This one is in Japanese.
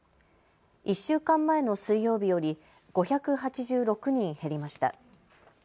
１週間前の水曜日より５８６人減りました。